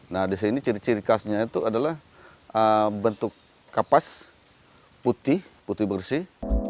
nah di sini ciri ciri khasnya itu adalah bentuk kapas putih putih bersih